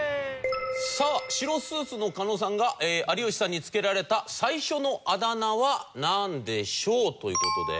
さあ白スーツの狩野さんが有吉さんにつけられた最初のあだ名はなんでしょう？という事で。